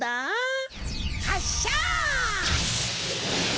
はっしゃ！